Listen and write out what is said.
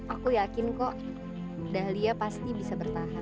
aku yakin kok dahlia pasti bisa bertahan